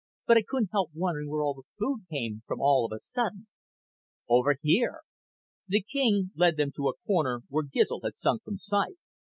"But I couldn't help wondering where all the food came from all of a sudden." "Over here." The king led them to the corner where Gizl had sunk from sight.